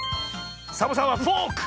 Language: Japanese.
サボさんはフォーク！